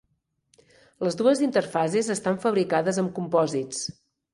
Les dues interfases estan fabricades amb compòsits.